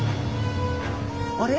あれ？